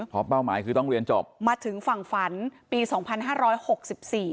เพราะเป้าหมายคือต้องเรียนจบมาถึงฝั่งฝันปีสองพันห้าร้อยหกสิบสี่